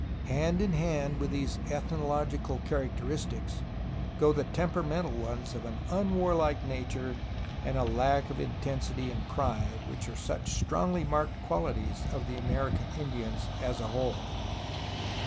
Hand in hand with these ethnological characteristics go the temperamental ones of an unwarlike nature and of a lack of the intensity and pride which are such strongly marked qualities of the American Indians as a whole.''